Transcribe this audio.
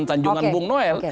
sanjungan bung noel